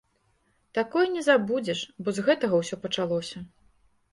Такое не забудзеш, бо з гэтага ўсё пачалося.